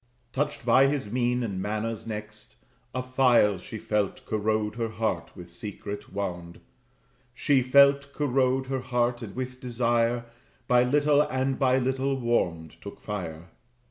Touched by his mien and manners next, a file She felt corrode her heart with secret wound; She felt corrode her heart, and with desire, By little and by little warmed, took fire.